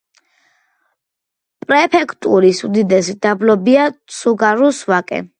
პრეფექტურის უდიდესი დაბლობია ცუგარუს ვაკე.